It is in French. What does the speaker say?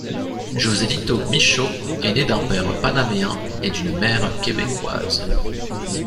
Josélito Michaud est né d’un père panaméen et d’une mère québécoise.